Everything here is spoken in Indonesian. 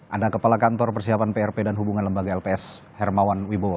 ada kepala kantor persiapan prp dan hubungan lembaga lps hermawan wibowo